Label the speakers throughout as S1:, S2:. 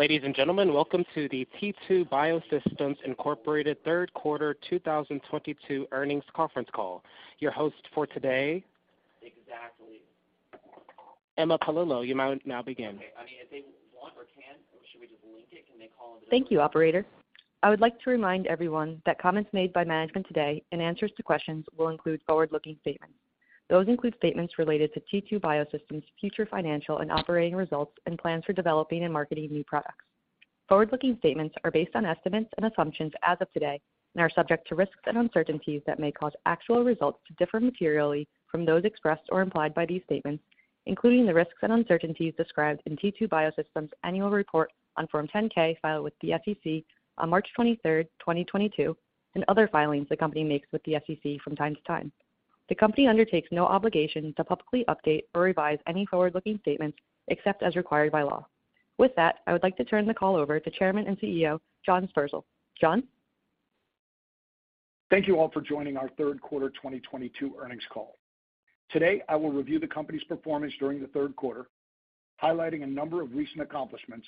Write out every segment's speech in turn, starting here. S1: Ladies and gentlemen, welcome to the T2 Biosystems, Inc. Third Quarter 2022 earnings conference call. Your host for today
S2: Exactly.
S1: Emma Poalillo, you may now begin.
S2: Okay. I mean, if they want or can, should we just link it? Can they call in?
S3: Thank you, operator. I would like to remind everyone that comments made by management today and answers to questions will include forward-looking statements. Those include statements related to T2 Biosystems' future financial and operating results and plans for developing and marketing new products. Forward-looking statements are based on estimates and assumptions as of today and are subject to risks and uncertainties that may cause actual results to differ materially from those expressed or implied by these statements, including the risks and uncertainties described in T2 Biosystems' annual report on Form 10-K filed with the SEC on March 23rd, 2022, and other filings the company makes with the SEC from time to time. The company undertakes no obligation to publicly update or revise any forward-looking statements except as required by law. With that, I would like to turn the call over to Chairman and CEO, John Sperzel. John?
S4: Thank you all for joining our third quarter 2022 earnings call. Today, I will review the company's performance during the third quarter, highlighting a number of recent accomplishments,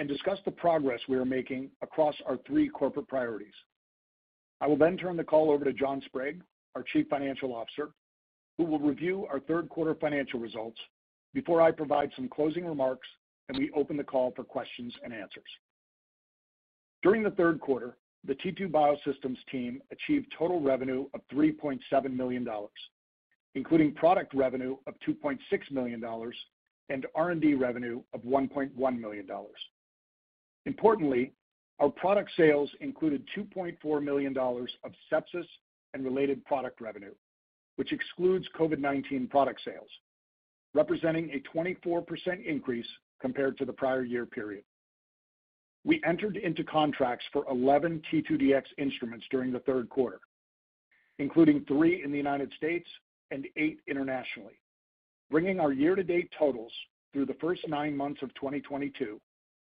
S4: and discuss the progress we are making across our three corporate priorities. I will then turn the call over to John Sprague, our Chief Financial Officer, who will review our third quarter financial results before I provide some closing remarks, and we open the call for questions and answers. During the third quarter, the T2 Biosystems team achieved total revenue of $3.7 million, including product revenue of $2.6 million and R&D revenue of $1.1 million. Importantly, our product sales included $2.4 million of sepsis and related product revenue, which excludes COVID-19 product sales, representing a 24% increase compared to the prior year period. We entered into contracts for 11 T2Dx instruments during the third quarter, including three in the United States and eight internationally, bringing our year-to-date totals through the first nine months of 2022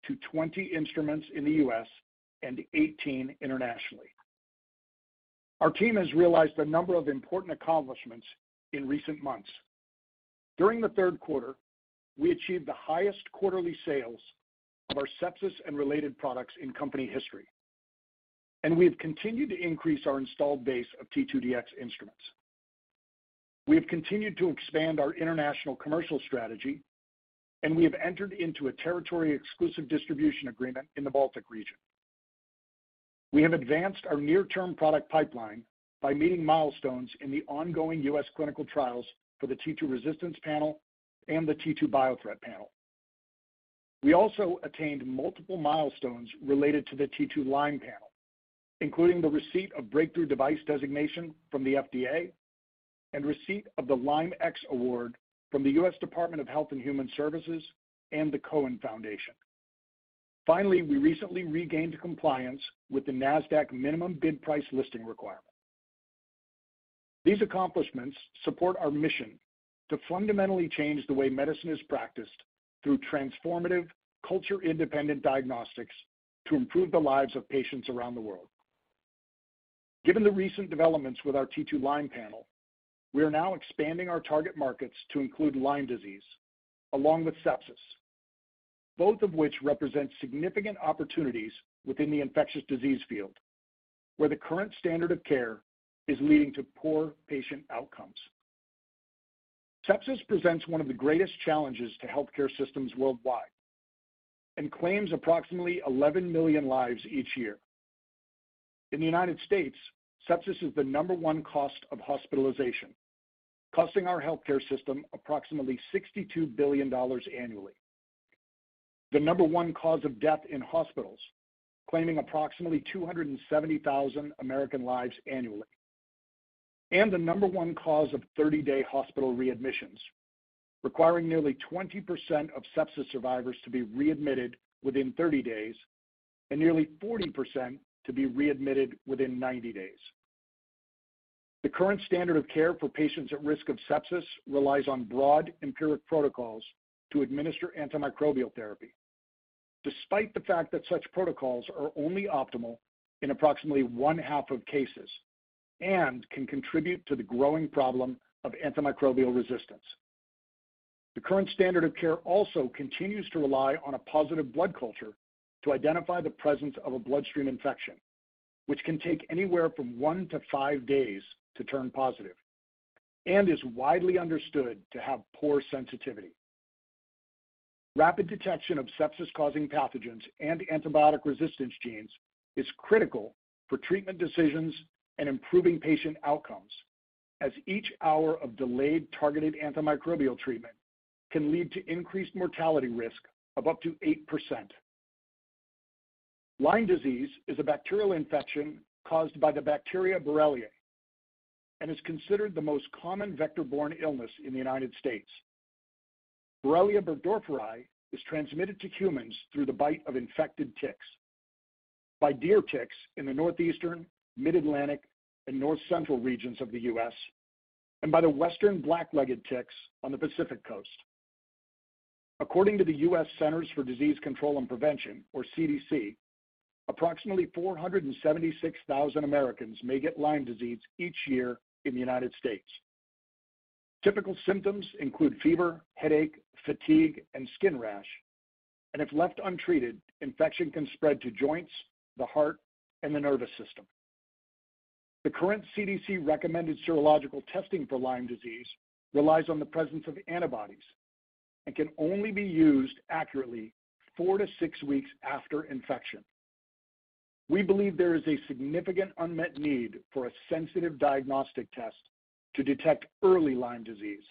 S4: to 20 instruments in the U.S. and 18 internationally. Our team has realized a number of important accomplishments in recent months. During the third quarter, we achieved the highest quarterly sales of our sepsis and related products in company history, and we have continued to increase our installed base of T2Dx instruments. We have continued to expand our international commercial strategy, and we have entered into a territory exclusive distribution agreement in the Baltic region. We have advanced our near-term product pipeline by meeting milestones in the ongoing U.S. clinical trials for the T2Resistance Panel and the T2Biothreat Panel. We also attained multiple milestones related to the T2Lyme Panel, including the receipt of breakthrough device designation from the FDA and receipt of the LymeX Award from the U.S. Department of Health and Human Services and the Cohen Foundation. Finally, we recently regained compliance with the Nasdaq minimum bid price listing requirement. These accomplishments support our mission to fundamentally change the way medicine is practiced through transformative culture-independent diagnostics to improve the lives of patients around the world. Given the recent developments with our T2Lyme Panel, we are now expanding our target markets to include Lyme disease along with sepsis, both of which represent significant opportunities within the infectious disease field, where the current standard of care is leading to poor patient outcomes. Sepsis presents one of the greatest challenges to healthcare systems worldwide and claims approximately 11 million lives each year. In the United States, sepsis is the number one cause of hospitalization, costing our healthcare system approximately $62 billion annually. The number one cause of death in hospitals, claiming approximately 270,000 American lives annually, and the number one cause of 30-day hospital readmissions, requiring nearly 20% of sepsis survivors to be readmitted within 30 days and nearly 40% to be readmitted within 90 days. The current standard of care for patients at risk of sepsis relies on broad empiric protocols to administer antimicrobial therapy, despite the fact that such protocols are only optimal in approximately 1/2 of cases and can contribute to the growing problem of antimicrobial resistance. The current standard of care also continues to rely on a positive blood culture to identify the presence of a bloodstream infection, which can take anywhere from one to five days to turn positive and is widely understood to have poor sensitivity. Rapid detection of sepsis-causing pathogens and antibiotic resistance genes is critical for treatment decisions and improving patient outcomes, as each hour of delayed targeted antimicrobial treatment can lead to increased mortality risk of up to 8%. Lyme disease is a bacterial infection caused by the bacteria Borrelia and is considered the most common vector-borne illness in the United States. Borrelia burgdorferi is transmitted to humans through the bite of infected ticks, by deer ticks in the Northeastern, Mid-Atlantic, and North Central regions of the U.S., and by the Western blacklegged ticks on the Pacific Coast. According to the U.S. Centers for Disease Control and Prevention, or CDC, approximately 476,000 Americans may get Lyme disease each year in the United States. Typical symptoms include fever, headache, fatigue, and skin rash. If left untreated, infection can spread to joints, the heart, and the nervous system. The current CDC-recommended serological testing for Lyme disease relies on the presence of antibodies and can only be used accurately four to six weeks after infection. We believe there is a significant unmet need for a sensitive diagnostic test to detect early Lyme disease,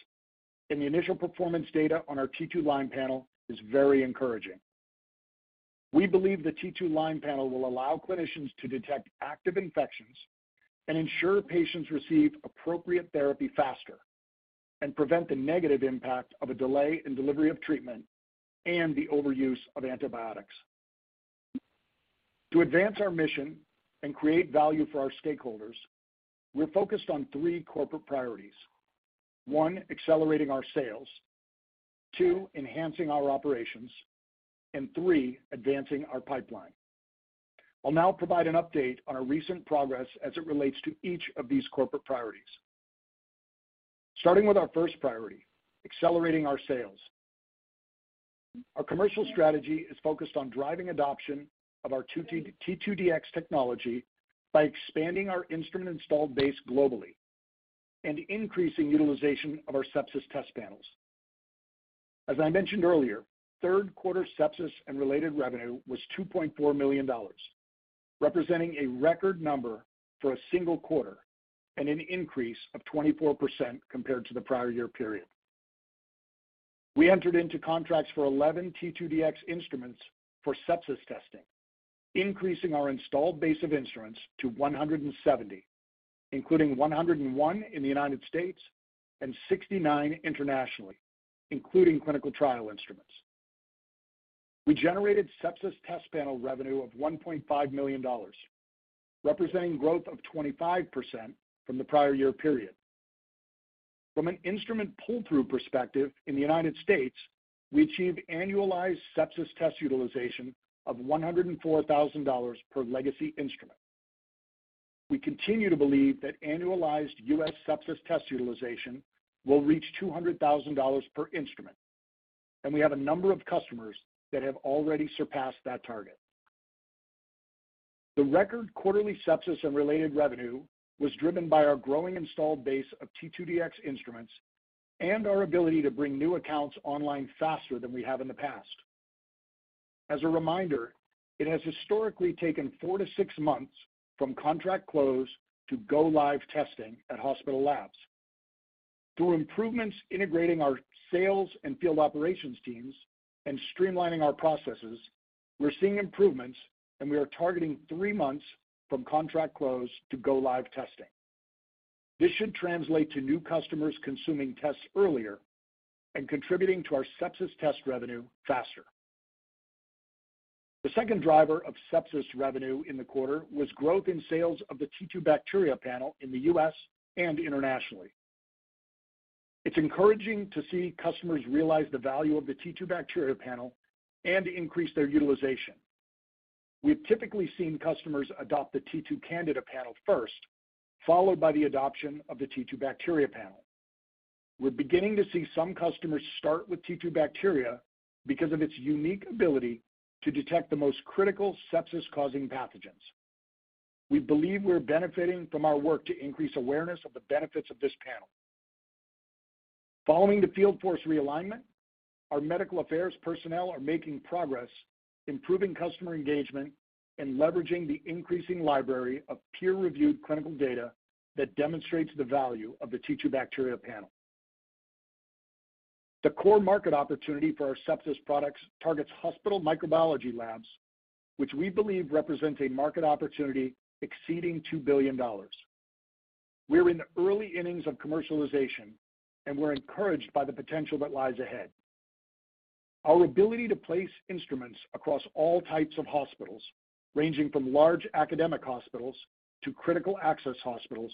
S4: and the initial performance data on our T2Lyme Panel is very encouraging. We believe the T2Lyme Panel will allow clinicians to detect active infections and ensure patients receive appropriate therapy faster and prevent the negative impact of a delay in delivery of treatment and the overuse of antibiotics. To advance our mission and create value for our stakeholders, we're focused on three corporate priorities. One, accelerating our sales. Two, enhancing our operations, and three, advancing our pipeline. I'll now provide an update on our recent progress as it relates to each of these corporate priorities. Starting with our first priority, accelerating our sales. Our commercial strategy is focused on driving adoption of our T2Dx technology by expanding our instrument installed base globally and increasing utilization of our sepsis test panels. As I mentioned earlier, third quarter sepsis and related revenue was $2.4 million, representing a record number for a single quarter and an increase of 24% compared to the prior year period. We entered into contracts for 11 T2Dx instruments for sepsis testing, increasing our installed base of instruments to 170, including 101 in the United States and 69 internationally, including clinical trial instruments. We generated sepsis test panel revenue of $1.5 million, representing growth of 25% from the prior year period. From an instrument pull-through perspective in the United States, we achieved annualized sepsis test utilization of $104,000 per legacy instrument. We continue to believe that annualized U.S. sepsis test utilization will reach $200,000 per instrument, and we have a number of customers that have already surpassed that target. The record quarterly sepsis and related revenue was driven by our growing installed base of T2Dx instruments and our ability to bring new accounts online faster than we have in the past. As a reminder, it has historically taken four to six months from contract close to go live testing at hospital labs. Through improvements integrating our sales and field operations teams and streamlining our processes, we're seeing improvements, and we are targeting three months from contract close to go live testing. This should translate to new customers consuming tests earlier and contributing to our sepsis test revenue faster. The second driver of sepsis revenue in the quarter was growth in sales of the T2Bacteria Panel in the U.S. and internationally. It's encouraging to see customers realize the value of the T2Bacteria Panel and increase their utilization. We've typically seen customers adopt the T2Candida Panel first, followed by the adoption of the T2Bacteria Panel. We're beginning to see some customers start with T2Bacteria because of its unique ability to detect the most critical sepsis-causing pathogens. We believe we're benefiting from our work to increase awareness of the benefits of this panel. Following the field force realignment, our medical affairs personnel are making progress improving customer engagement and leveraging the increasing library of peer-reviewed clinical data that demonstrates the value of the T2Bacteria Panel. The core market opportunity for our sepsis products targets hospital microbiology labs, which we believe represents a market opportunity exceeding $2 billion. We're in the early innings of commercialization, and we're encouraged by the potential that lies ahead. Our ability to place instruments across all types of hospitals, ranging from large academic hospitals to critical access hospitals,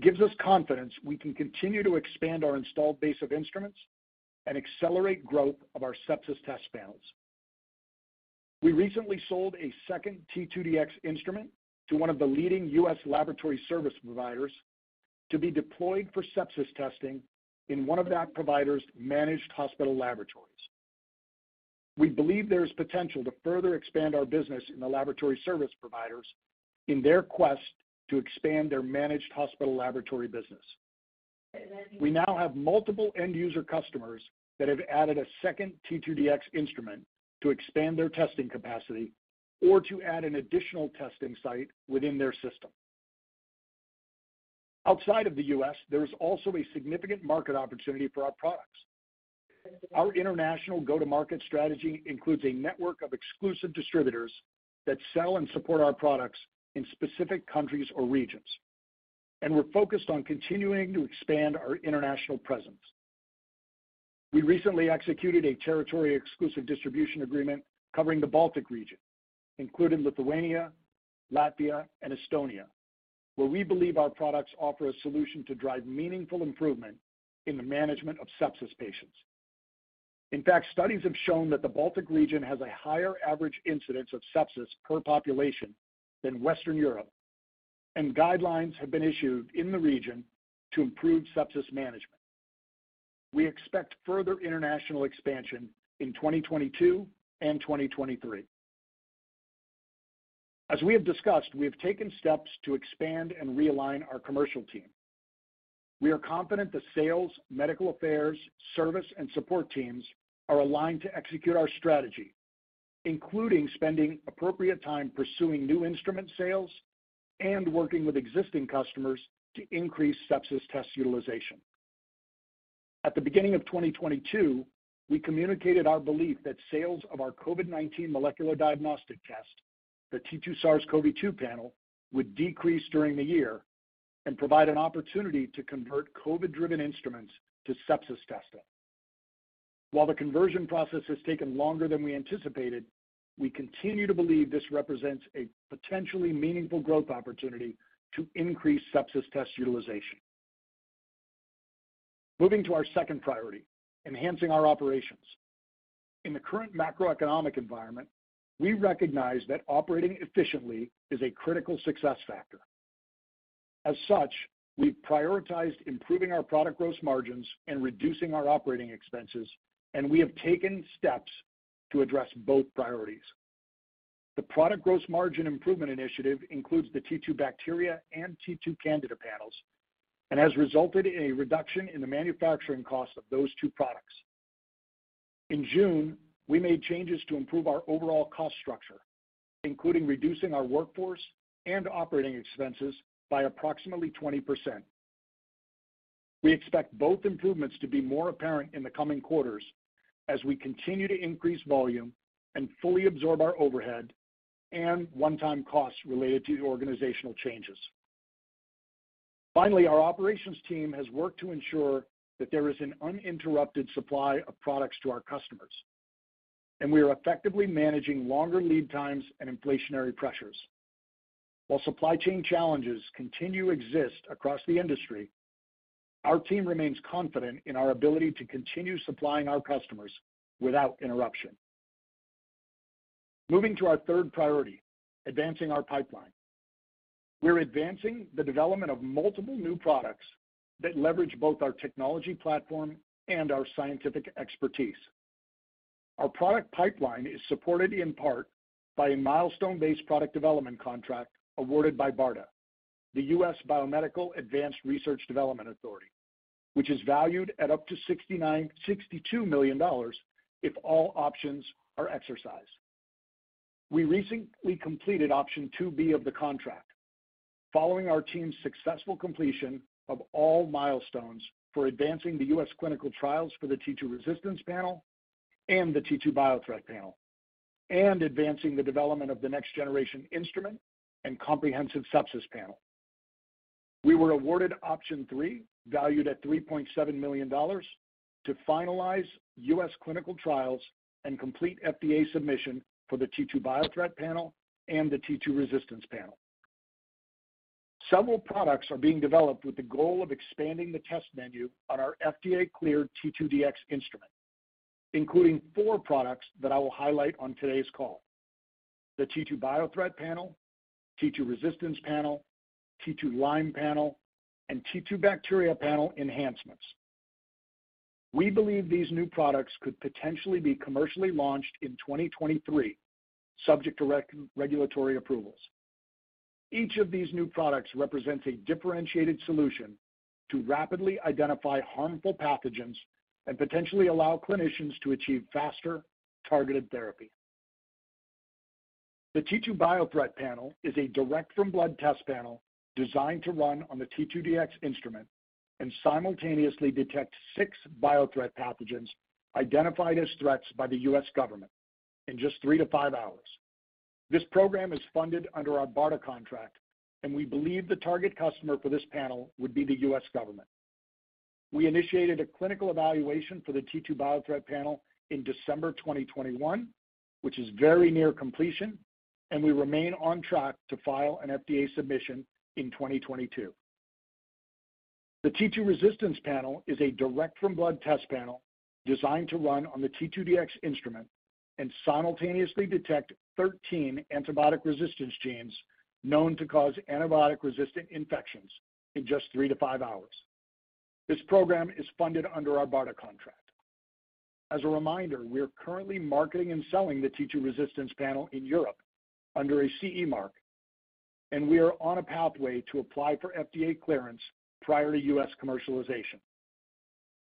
S4: gives us confidence we can continue to expand our installed base of instruments and accelerate growth of our sepsis test panels. We recently sold a second T2Dx instrument to one of the leading U.S. laboratory service providers to be deployed for sepsis testing in one of that provider's managed hospital laboratories. We believe there is potential to further expand our business in the laboratory service providers in their quest to expand their managed hospital laboratory business. We now have multiple end-user customers that have added a second T2Dx instrument to expand their testing capacity or to add an additional testing site within their system. Outside of the U.S., there is also a significant market opportunity for our products. Our international go-to-market strategy includes a network of exclusive distributors that sell and support our products in specific countries or regions, and we're focused on continuing to expand our international presence. We recently executed a territory exclusive distribution agreement covering the Baltic region, including Lithuania, Latvia, and Estonia, where we believe our products offer a solution to drive meaningful improvement in the management of sepsis patients. In fact, studies have shown that the Baltic region has a higher average incidence of sepsis per population than Western Europe, and guidelines have been issued in the region to improve sepsis management. We expect further international expansion in 2022 and 2023. As we have discussed, we have taken steps to expand and realign our commercial team. We are confident the sales, medical affairs, service, and support teams are aligned to execute our strategy, including spending appropriate time pursuing new instrument sales and working with existing customers to increase sepsis test utilization. At the beginning of 2022, we communicated our belief that sales of our COVID-19 molecular diagnostic test, the T2SARS-CoV-2 panel, would decrease during the year and provide an opportunity to convert COVID-driven instruments to sepsis testing. While the conversion process has taken longer than we anticipated, we continue to believe this represents a potentially meaningful growth opportunity to increase sepsis test utilization. Moving to our second priority, enhancing our operations. In the current macroeconomic environment, we recognize that operating efficiently is a critical success factor. As such, we've prioritized improving our product gross margins and reducing our operating expenses, and we have taken steps to address both priorities. The product gross margin improvement initiative includes the T2Bacteria and T2Candida panels and has resulted in a reduction in the manufacturing cost of those two products. In June, we made changes to improve our overall cost structure, including reducing our workforce and operating expenses by approximately 20%. We expect both improvements to be more apparent in the coming quarters as we continue to increase volume and fully absorb our overhead and one-time costs related to the organizational changes. Finally, our operations team has worked to ensure that there is an uninterrupted supply of products to our customers, and we are effectively managing longer lead times and inflationary pressures. While supply chain challenges continue to exist across the industry, our team remains confident in our ability to continue supplying our customers without interruption. Moving to our third priority, advancing our pipeline. We're advancing the development of multiple new products that leverage both our technology platform and our scientific expertise. Our product pipeline is supported in part by a milestone-based product development contract awarded by BARDA, the U.S. Biomedical Advanced Research and Development Authority, which is valued at up to $62 million if all options are exercised. We recently completed option 2B of the contract following our team's successful completion of all milestones for advancing the U.S. clinical trials for the T2Resistance Panel and the T2Biothreat Panel and advancing the development of the next generation instrument and comprehensive sepsis panel. We were awarded option three, valued at $3.7 million, to finalize U.S. clinical trials and complete FDA submission for the T2Biothreat Panel and the T2Resistance Panel. Several products are being developed with the goal of expanding the test menu on our FDA-cleared T2Dx Instrument, including four products that I will highlight on today's call. The T2Biothreat Panel, T2Resistance Panel, T2Lyme Panel, and T2Bacteria Panel enhancements. We believe these new products could potentially be commercially launched in 2023, subject to regulatory approvals. Each of these new products represents a differentiated solution to rapidly identify harmful pathogens and potentially allow clinicians to achieve faster targeted therapy. The T2Biothreat Panel is a direct-from-blood test panel designed to run on the T2Dx Instrument and simultaneously detect six biothreat pathogens identified as threats by the U.S. government in just three to five hours. This program is funded under our BARDA contract, and we believe the target customer for this panel would be the U.S. government. We initiated a clinical evaluation for the T2Biothreat Panel in December 2021, which is very near completion, and we remain on track to file an FDA submission in 2022. The T2Resistance Panel is a direct-from-blood test panel designed to run on the T2Dx Instrument and simultaneously detect 13 antibiotic resistance genes known to cause antibiotic-resistant infections in just three to five hours. This program is funded under our BARDA contract. As a reminder, we are currently marketing and selling the T2Resistance Panel in Europe under a CE mark, and we are on a pathway to apply for FDA clearance prior to U.S. commercialization.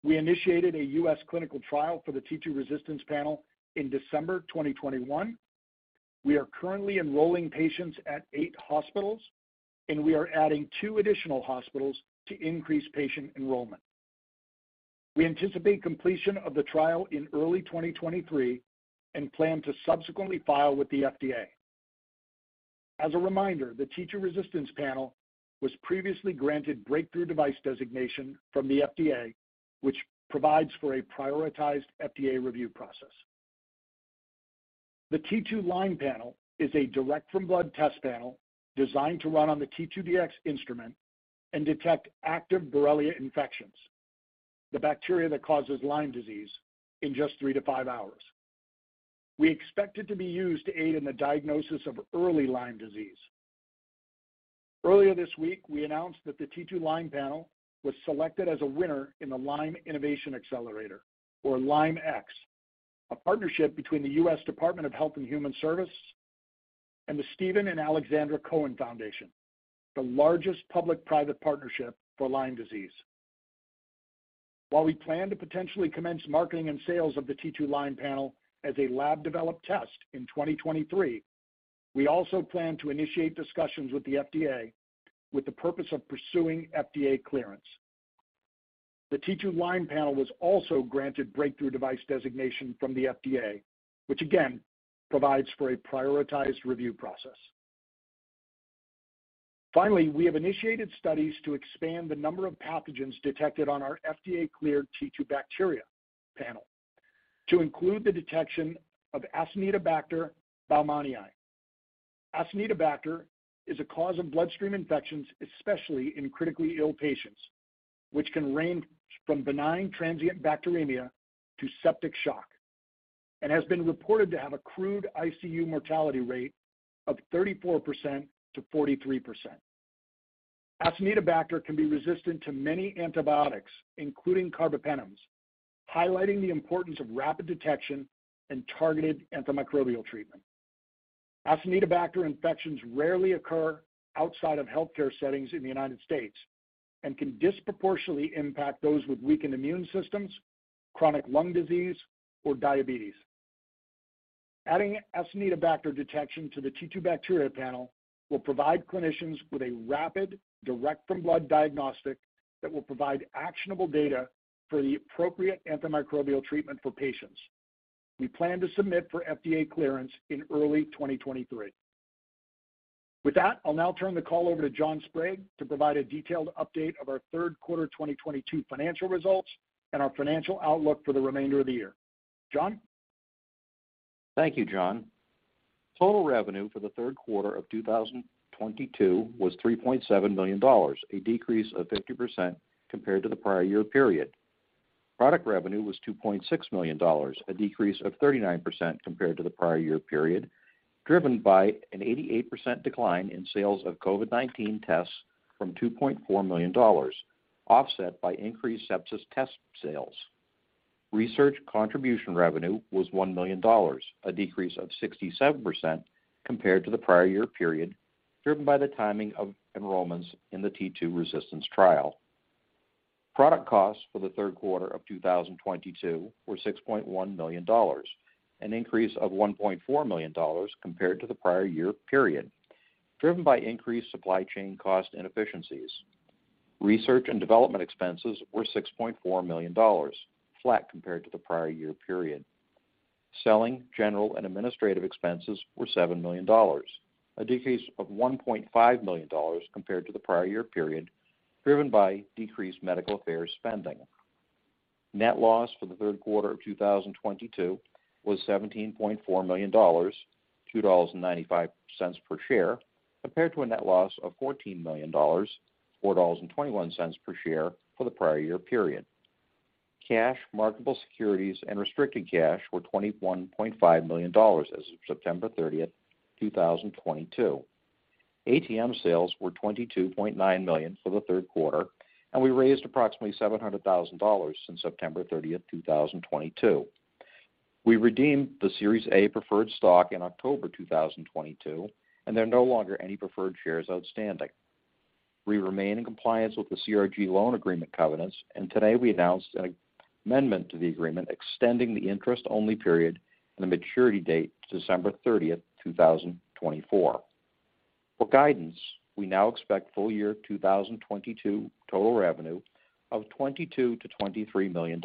S4: We initiated a U.S. clinical trial for the T2Resistance Panel in December 2021. We are currently enrolling patients at eight hospitals, and we are adding two additional hospitals to increase patient enrollment. We anticipate completion of the trial in early 2023 and plan to subsequently file with the FDA. As a reminder, the T2Resistance Panel was previously granted Breakthrough Device designation from the FDA, which provides for a prioritized FDA review process. The T2Lyme Panel is a direct-from-blood test panel designed to run on the T2Dx Instrument and detect active Borrelia infections, the bacteria that causes Lyme disease, in just three to five hours. We expect it to be used to aid in the diagnosis of early Lyme disease. Earlier this week, we announced that the T2Lyme Panel was selected as a winner in the LymeX Innovation Accelerator, or LymeX, a partnership between the U.S. Department of Health and Human Services and the Steven & Alexandra Cohen Foundation, the largest public-private partnership for Lyme disease. While we plan to potentially commence marketing and sales of the T2Lyme Panel as a lab-developed test in 2023, we also plan to initiate discussions with the FDA with the purpose of pursuing FDA clearance. The T2Lyme Panel was also granted Breakthrough Device designation from the FDA, which again provides for a prioritized review process. Finally, we have initiated studies to expand the number of pathogens detected on our FDA-cleared T2Bacteria Panel to include the detection of Acinetobacter baumannii. Acinetobacter is a cause of bloodstream infections, especially in critically ill patients, which can range from benign transient bacteremia to septic shock, and has been reported to have a crude ICU mortality rate of 34%-43%. Acinetobacter can be resistant to many antibiotics, including carbapenems, highlighting the importance of rapid detection and targeted antimicrobial treatment. Acinetobacter infections rarely occur outside of healthcare settings in the United States and can disproportionately impact those with weakened immune systems, chronic lung disease, or diabetes. Adding Acinetobacter detection to the T2Bacteria Panel will provide clinicians with a rapid, direct from blood diagnostic that will provide actionable data for the appropriate antimicrobial treatment for patients. We plan to submit for FDA clearance in early 2023. With that, I'll now turn the call over to John Sprague to provide a detailed update of our third quarter 2022 financial results and our financial outlook for the remainder of the year. John?
S5: Thank you, John. Total revenue for the third quarter of 2022 was $3.7 million, a decrease of 50% compared to the prior year period. Product revenue was $2.6 million, a decrease of 39% compared to the prior year period, driven by an 88% decline in sales of COVID-19 tests from $2.4 million, offset by increased sepsis test sales. Research contribution revenue was $1 million, a decrease of 67% compared to the prior year period, driven by the timing of enrollments in the T2Resistance trial. Product costs for the third quarter of 2022 were $6.1 million, an increase of $1.4 million compared to the prior year period, driven by increased supply chain cost inefficiencies. Research and development expenses were $6.4 million, flat compared to the prior year period. Selling, general, and administrative expenses were $7 million, a decrease of $1.5 million compared to the prior year period, driven by decreased medical affairs spending. Net loss for the third quarter of 2022 was $17.4 million, $2.95 per share, compared to a net loss of $14 million, $4.21 per share for the prior year period. Cash, marketable securities, and restricted cash were $21.5 million as of September 30th, 2022. ATM sales were $22.9 million for the third quarter, and we raised approximately $700,000 since September 30th, 2022. We redeemed the Series A preferred stock in October 2022, and there are no longer any preferred shares outstanding. We remain in compliance with the CRG loan agreement covenants, and today we announced an amendment to the agreement extending the interest-only period and the maturity date to December 30th, 2024. For guidance, we now expect full year 2022 total revenue of $22 million-$23 million,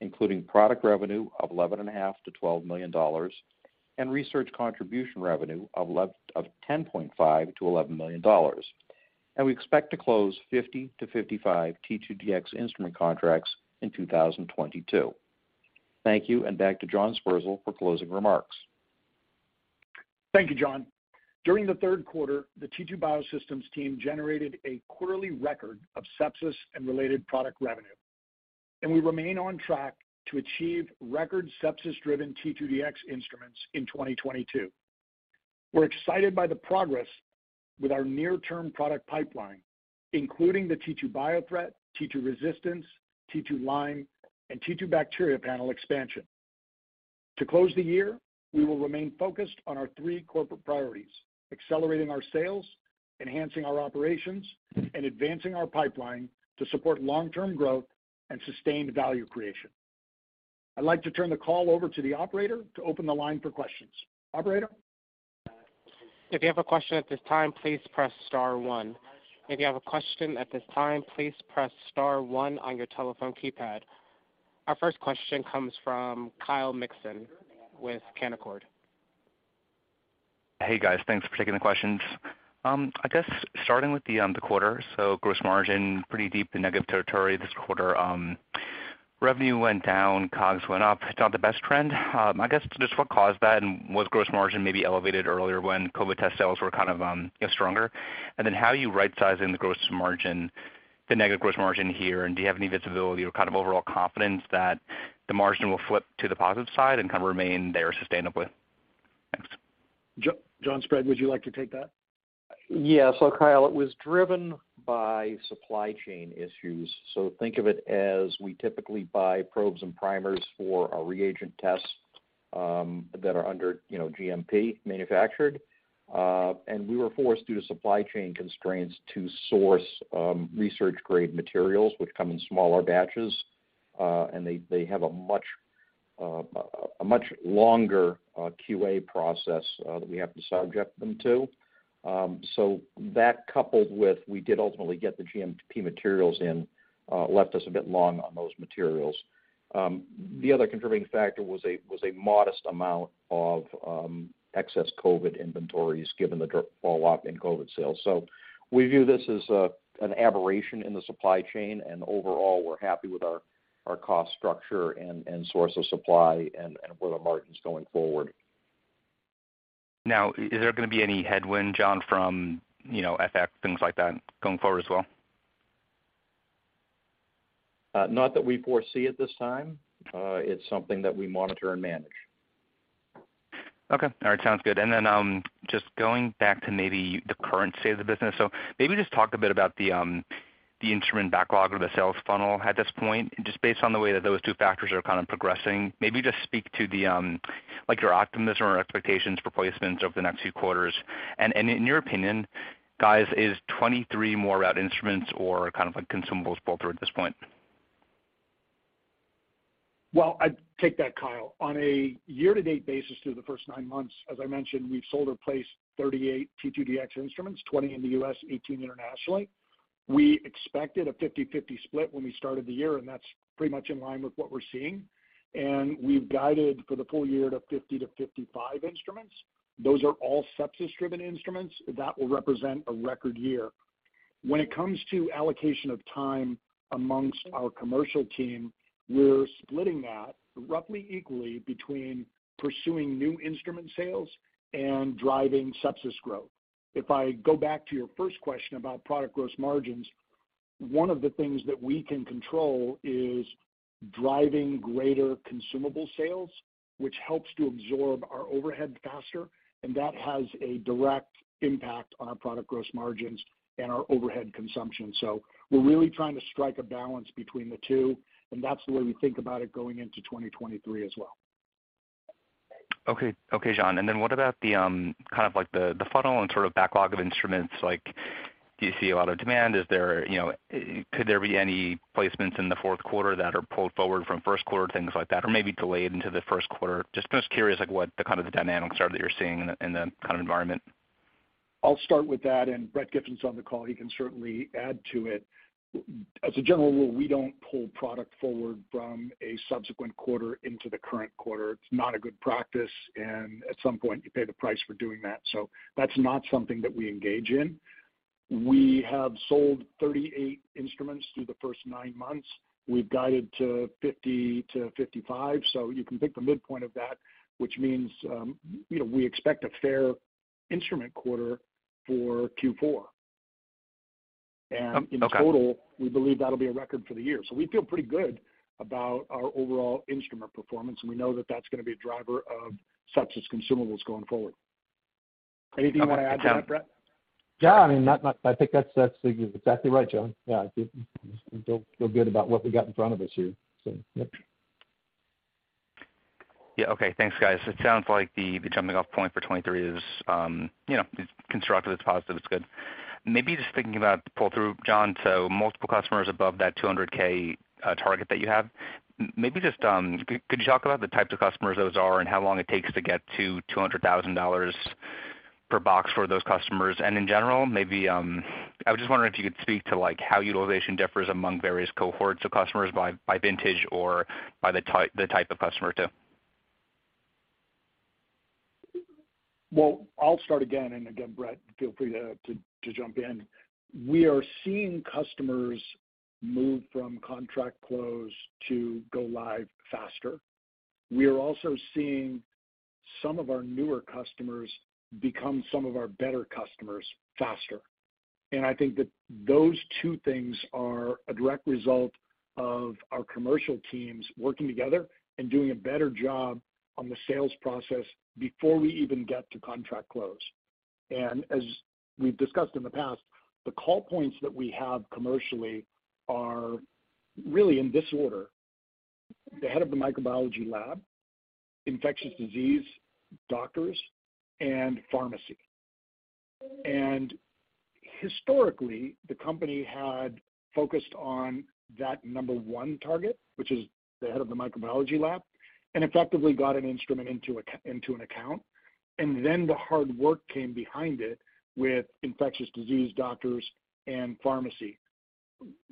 S5: including product revenue of $11.5 million-$12 million and research contribution revenue of $10.5 million-$11 million. We expect to close 50-55 T2Dx instrument contracts in 2022. Thank you, and back to John Sperzel for closing remarks.
S4: Thank you, John. During the third quarter, the T2 Biosystems team generated a quarterly record of sepsis and related product revenue, and we remain on track to achieve record sepsis-driven T2Dx instruments in 2022. We're excited by the progress with our near-term product pipeline, including the T2Biothreat, T2Resistance, T2Lyme, and T2Bacteria panel expansion. To close the year, we will remain focused on our three corporate priorities: accelerating our sales, enhancing our operations, and advancing our pipeline to support long-term growth and sustained value creation. I'd like to turn the call over to the operator to open the line for questions. Operator?
S1: If you have a question at this time, please press star one. If you have a question at this time, please press star one on your telephone keypad. Our first question comes from Kyle Mikson with Canaccord.
S6: Hey guys, thanks for taking the questions. I guess starting with the quarter, gross margin pretty deep in negative territory this quarter. Revenue went down, COGS went up. It's not the best trend. I guess just what caused that, and was gross margin maybe elevated earlier when COVID test sales were kind of, you know, stronger? And then how are you rightsizing the gross margin, the negative gross margin here, and do you have any visibility or kind of overall confidence that the margin will flip to the positive side and kind of remain there sustainably? Thanks.
S4: John Sprague, would you like to take that?
S5: Yeah. Kyle, it was driven by supply chain issues. Think of it as we typically buy probes and primers for our reagent tests that are under, you know, GMP manufactured. We were forced, due to supply chain constraints, to source research grade materials which come in smaller batches, and they have a much longer QA process that we have to subject them to. That coupled with we did ultimately get the GMP materials in left us a bit long on those materials. The other contributing factor was a modest amount of excess COVID inventories given the falloff in COVID sales. We view this as an aberration in the supply chain and overall we're happy with our cost structure and source of supply and where the margin's going forward.
S6: Now, is there gonna be any headwind, John, from, you know, FX, things like that going forward as well?
S5: Not that we foresee at this time. It's something that we monitor and manage.
S6: Okay. All right, sounds good. Just going back to maybe the current state of the business. Maybe just talk a bit about the instrument backlog or the sales funnel at this point, just based on the way that those two factors are kind of progressing. Maybe just speak to the, like, your optimism or expectations for placements over the next few quarters. In your opinion, guys, is 2023 more about instruments or kind of like consumables pull through at this point?
S4: Well, I'd take that Kyle. On a year to date basis, through the first nine months, as I mentioned, we've sold or placed 38 T2Dx instruments, 20 in the U.S., 18 internationally. We expected a 50/50 split when we started the year, and that's pretty much in line with what we're seeing. We've guided for the full year to 50-55 instruments. Those are all sepsis-driven instruments. That will represent a record year. When it comes to allocation of time amongst our commercial team, we're splitting that roughly equally between pursuing new instrument sales and driving sepsis growth. If I go back to your first question about product gross margins, one of the things that we can control is driving greater consumable sales, which helps to absorb our overhead faster, and that has a direct impact on our product gross margins and our overhead consumption. We're really trying to strike a balance between the two, and that's the way we think about it going into 2023 as well.
S6: Okay. Okay, John. What about the kind of like the funnel and sort of backlog of instruments, like do you see a lot of demand? Is there, you know, could there be any placements in the fourth quarter that are pulled forward from first quarter, things like that, or maybe delayed into the first quarter? Just kind of curious like what the kind of dynamics are that you're seeing in the kind of environment.
S4: I'll start with that, and Brett Giffin's on the call, he can certainly add to it. As a general rule, we don't pull product forward from a subsequent quarter into the current quarter. It's not a good practice, and at some point you pay the price for doing that. That's not something that we engage in. We have sold 38 instruments through the first nine months. We've guided to 50-55. You can pick the midpoint of that, which means, you know, we expect a fair instrument quarter for Q4.
S6: Okay.
S4: In total, we believe that'll be a record for the year. We feel pretty good about our overall instrument performance, and we know that that's gonna be a driver of sepsis consumables going forward. Anything you wanna add to that, Brett?
S7: Yeah, I mean, I think that's exactly right, John. Yeah, I feel good about what we got in front of us here, so yep.
S6: Yeah. Okay, thanks guys. It sounds like the jumping off point for 2023 is, you know, it's constructive, it's positive, it's good. Maybe just thinking about the pull through, John, so multiple customers above that $200K target that you have. Maybe just, could you talk about the types of customers those are and how long it takes to get to $200,000 per box for those customers? And in general, maybe, I was just wondering if you could speak to like how utilization differs among various cohorts of customers by vintage or by the type of customer too.
S4: Well, I'll start again, and again, Brett, feel free to jump in. We are seeing customers move from contract close to go live faster. We are also seeing some of our newer customers become some of our better customers faster. I think that those two things are a direct result of our commercial teams working together and doing a better job on the sales process before we even get to contract close. As we've discussed in the past, the call points that we have commercially are really in this order, the head of the microbiology lab, infectious disease doctors, and pharmacy. Historically, the company had focused on that number one target, which is the head of the microbiology lab, and effectively got an instrument into an account, and then the hard work came behind it with infectious disease doctors and pharmacy,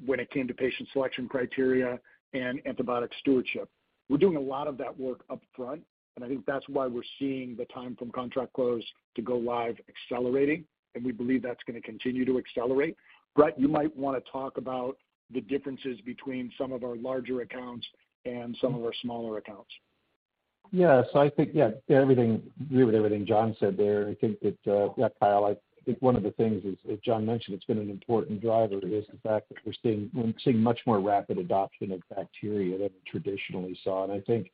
S4: when it came to patient selection criteria and antibiotic stewardship. We're doing a lot of that work upfront, and I think that's why we're seeing the time from contract close to go live accelerating, and we believe that's gonna continue to accelerate. Brett, you might wanna talk about the differences between some of our larger accounts and some of our smaller accounts.
S7: Yes, I think, yeah, everything, agree with everything John said there. I think it, yeah, Kyle, I think one of the things is, as John mentioned, it's been an important driver is the fact that we're seeing much more rapid adoption of bacteria than we traditionally saw. I think,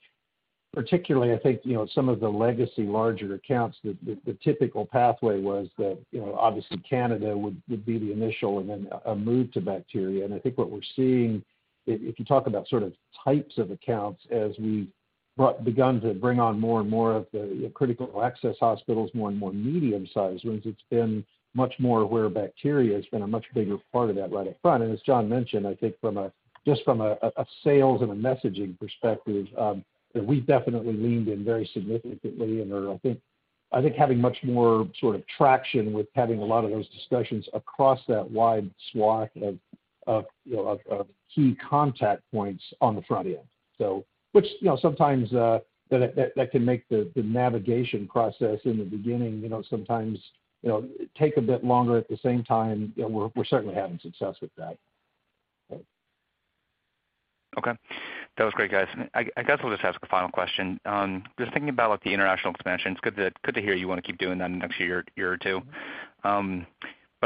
S7: particularly, I think, you know, some of the legacy larger accounts, the typical pathway was that, you know, obviously, Candida would be the initial and then a move to bacteria. I think what we're seeing, if you talk about sort of types of accounts as we begun to bring on more and more of the critical access hospitals, more and more medium-sized ones, it's been much more where bacteria has been a much bigger part of that right up front. As John mentioned, I think just from a sales and a messaging perspective, that we've definitely leaned in very significantly and are, I think, having much more sort of traction with having a lot of those discussions across that wide swath of you know key contact points on the front end. Which, you know, sometimes that can make the navigation process in the beginning, you know, take a bit longer. At the same time, you know, we're certainly having success with that.
S6: Okay. That was great, guys. I guess I'll just ask a final question. Just thinking about, like, the international expansion, it's good to hear you wanna keep doing that in the next year or two.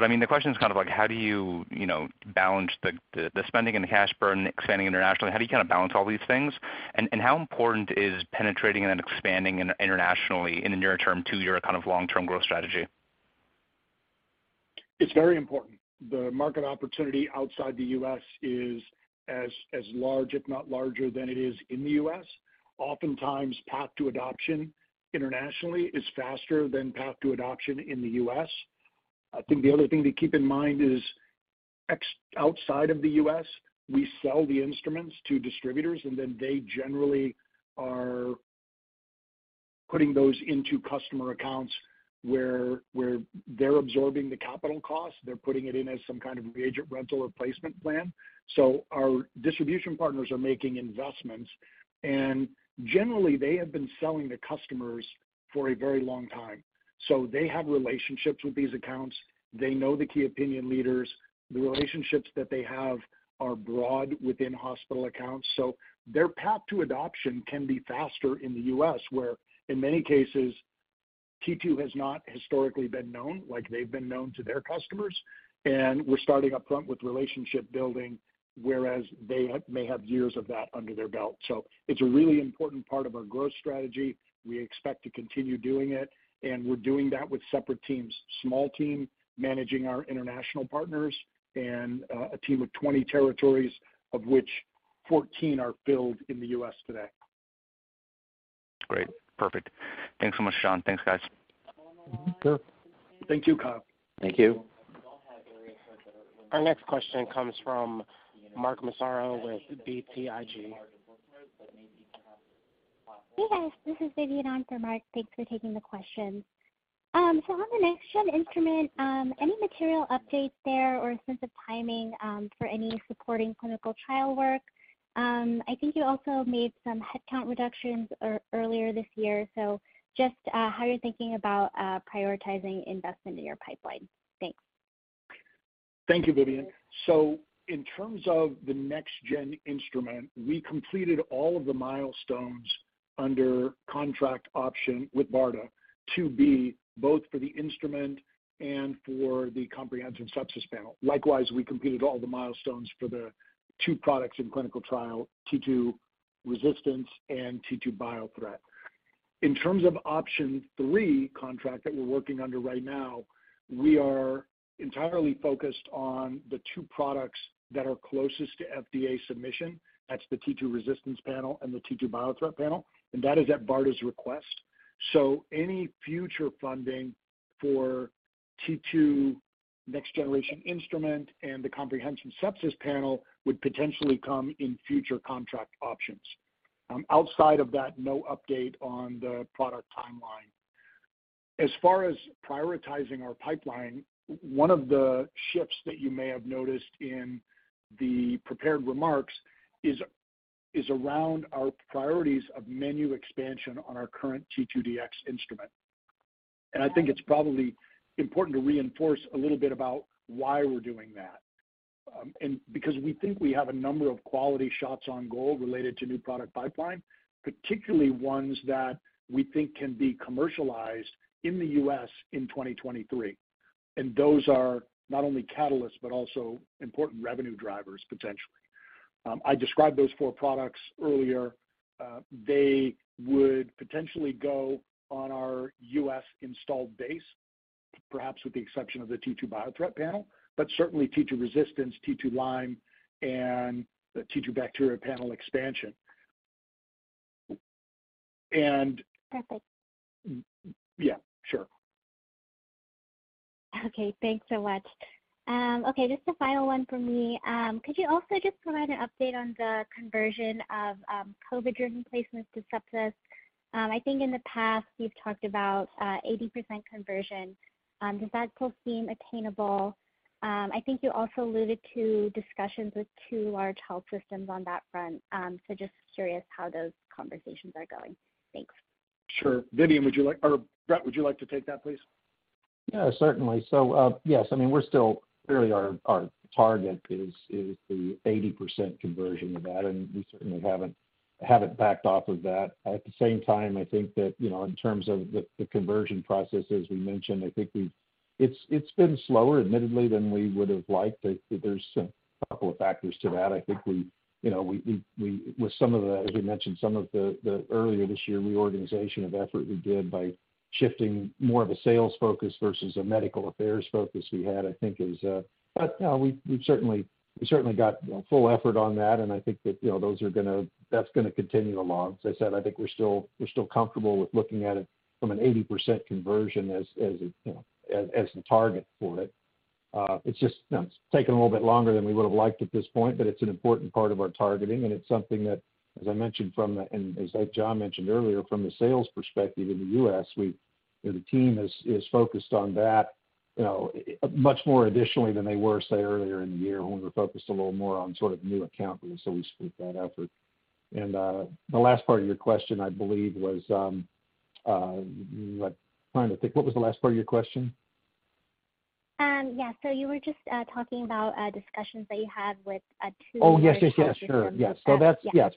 S6: I mean, the question is kind of like, how do you know, balance the spending and the cash burn expanding internationally, how do you kinda balance all these things? How important is penetrating and expanding internationally in the near term to your kind of long-term growth strategy?
S4: It's very important. The market opportunity outside the U.S. is as large, if not larger than it is in the U.S. Oftentimes path to adoption internationally is faster than path to adoption in the U.S. I think the other thing to keep in mind is outside of the U.S., we sell the instruments to distributors, and then they generally are putting those into customer accounts where they're absorbing the capital costs. They're putting it in as some kind of reagent rental or placement plan. Our distribution partners are making investments, and generally, they have been selling to customers for a very long time. They have relationships with these accounts. They know the key opinion leaders. The relationships that they have are broad within hospital accounts. Their path to adoption can be faster in the U.S., where in many cases, T2 has not historically been known like they've been known to their customers, and we're starting up front with relationship building, whereas they may have years of that under their belt. It's a really important part of our growth strategy. We expect to continue doing it, and we're doing that with separate teams, small team managing our international partners and a team of 20 territories of which 14 are filled in the U.S. today.
S6: Great. Perfect. Thanks so much, John. Thanks, guys.
S7: Sure.
S4: Thank you, Kyle.
S1: Our next question comes from Mark Massaro with BTIG.
S8: Hey, guys. This is Vivian on for Mark. Thanks for taking the question. On the next gen instrument, any material updates there or a sense of timing for any supporting clinical trial work? I think you also made some headcount reductions earlier this year. Just how you're thinking about prioritizing investment in your pipeline. Thanks.
S4: Thank you, Vivian. In terms of the next gen instrument, we completed all of the milestones under contract option with BARDA to be both for the instrument and for the comprehensive sepsis panel. Likewise, we completed all the milestones for the two products in clinical trial, T2Resistance and T2Biothreat. In terms of option three contract that we're working under right now, we are entirely focused on the two products that are closest to FDA submission. That's the T2Resistance Panel and the T2Biothreat Panel, and that is at BARDA's request. Any future funding for T2 next generation instrument and the comprehensive sepsis panel would potentially come in future contract options. Outside of that, no update on the product timeline. As far as prioritizing our pipeline, one of the shifts that you may have noticed in the prepared remarks is around our priorities of menu expansion on our current T2Dx Instrument. I think it's probably important to reinforce a little bit about why we're doing that. Because we think we have a number of quality shots on goal related to new product pipeline, particularly ones that we think can be commercialized in the U.S. in 2023. Those are not only catalysts, but also important revenue drivers, potentially. I described those four products earlier. They would potentially go on our U.S. installed base, perhaps with the exception of the T2Biothreat Panel, but certainly T2Resistance, T2Lyme, and the T2Bacteria Panel expansion.
S8: Perfect.
S4: Yeah, sure.
S8: Okay, thanks so much. Okay, just a final one for me. Could you also just provide an update on the conversion of COVID-driven placements to sepsis? I think in the past you've talked about 80% conversion. Does that still seem attainable? I think you also alluded to discussions with two large health systems on that front. Just curious how those conversations are going. Thanks.
S4: Sure. Brett, would you like to take that, please?
S7: Yeah, certainly. Yes, I mean, we're still clearly our target is the 80% conversion of that, and we certainly haven't backed off of that. At the same time, I think that, you know, in terms of the conversion process, as we mentioned, I think we've. It's been slower, admittedly, than we would've liked. There's a couple of factors to that. I think we, you know, with some of the, as we mentioned, some of the earlier this year reorganization of effort we did by shifting more of a sales focus versus a medical affairs focus we had, I think, is. We've certainly got full effort on that, and I think that, you know, those are gonna. That's gonna continue along. As I said, I think we're still comfortable with looking at it from an 80% conversion as the target for it. It's just, you know, it's taking a little bit longer than we would've liked at this point, but it's an important part of our targeting, and it's something that, as I mentioned and as John mentioned earlier, from the sales perspective in the US, we, you know, the team is focused on that, you know, much more additionally than they were, say, earlier in the year when we were focused a little more on sort of new account wins, so we split that effort. The last part of your question, I believe, was, I'm trying to think. What was the last part of your question?
S8: Yeah, you were just talking about discussions that you had with T2.
S7: Oh, yes. Sure. Yes.
S8: Yeah.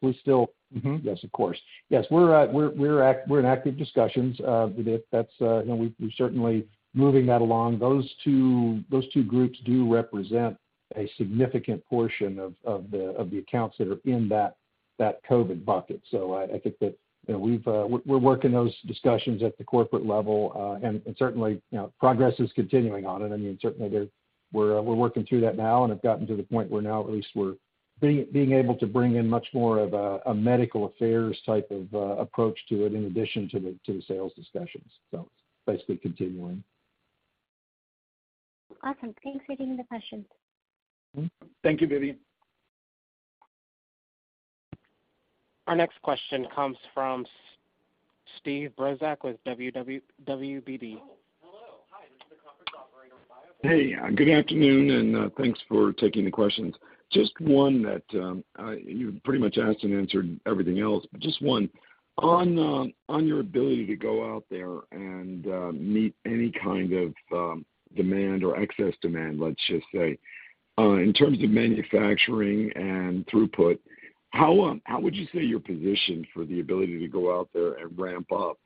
S7: Yes, of course. We're in active discussions. You know, we're certainly moving that along. Those two groups do represent a significant portion of the accounts that are in that COVID bucket. I think that, you know, we're working those discussions at the corporate level. Certainly, you know, progress is continuing on it. I mean, we're working through that now and have gotten to the point where now at least we're being able to bring in much more of a medical affairs type of approach to it in addition to the sales discussions. Basically continuing.
S8: Awesome. Thanks for taking the question.
S7: Mm-hmm.
S4: Thank you, Vivian.
S1: Our next question comes from Steve Brozak with WBB.
S9: Hey. Good afternoon, and thanks for taking the questions. Just one that you pretty much asked and answered everything else, but just one. On your ability to go out there and meet any kind of demand or excess demand, let's just say, in terms of manufacturing and throughput, how would you say you're positioned for the ability to go out there and ramp up,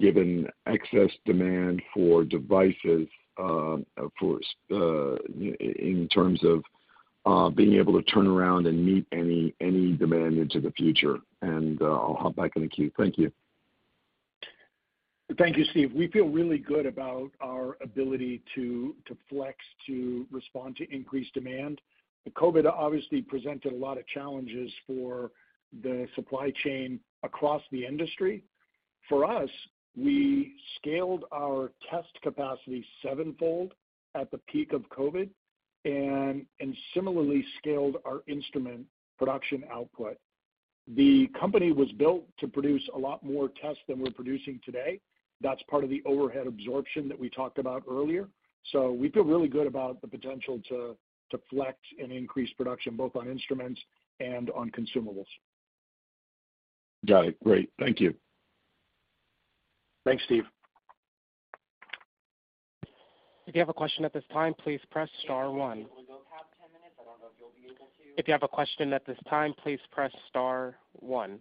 S9: given excess demand for devices, in terms of being able to turn around and meet any demand into the future? I'll hop back in the queue. Thank you.
S4: Thank you, Steve. We feel really good about our ability to flex to respond to increased demand. COVID obviously presented a lot of challenges for the supply chain across the industry. For us, we scaled our test capacity sevenfold at the peak of COVID and similarly scaled our instrument production output. The company was built to produce a lot more tests than we're producing today. That's part of the overhead absorption that we talked about earlier. We feel really good about the potential to flex and increase production both on instruments and on consumables.
S9: Got it. Great. Thank you.
S4: Thanks, Steve.
S1: If you have a question at this time, please press star one. If you have a question at this time, please press star one.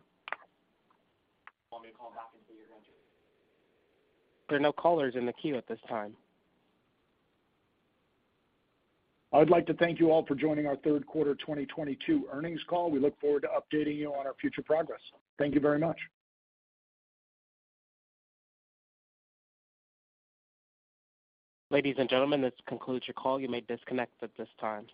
S1: There are no callers in the queue at this time.
S4: I'd like to thank you all for joining our third quarter 2022 earnings call. We look forward to updating you on our future progress. Thank you very much.
S1: Ladies and gentlemen, this concludes your call. You may disconnect at this time.